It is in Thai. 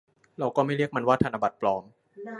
เราก็ไม่เรียกมันว่าธนบัตรปลอม